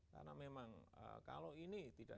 karena memang kalau ini tidak